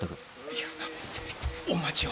いやお待ちを。